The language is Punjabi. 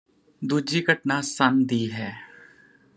ਦੂਜੀ ਘਟਨਾ ਸੰਨ ਦੀ ਹੈ